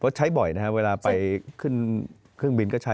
ใช้บ่อยนะครับเวลาไปขึ้นเครื่องบินก็ใช้